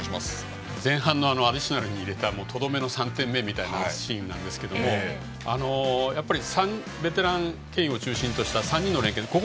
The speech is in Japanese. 前半アディショナルに入れたとどめの３点目みたいなシーンなんですけどベテラン、ケインを中心とした３人の連係ですね。